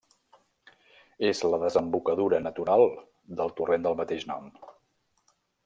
És la desembocadura natural del torrent del mateix nom.